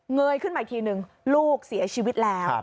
เยยขึ้นมาอีกทีนึงลูกเสียชีวิตแล้ว